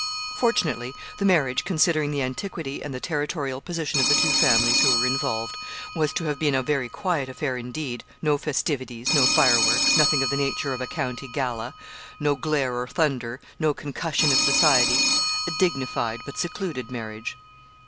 Fortunately, the marriage, considering the antiquity and the territorial position of the two families who were involved, was to have been a very quiet affair indeed no festivities no fire works nothing of the nature of a county gala no glare or thunder no concussion of society a dignified but secluded marriage.